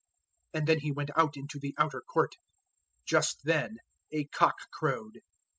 And then he went out into the outer court. Just then a cock crowed.